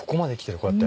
こうやって。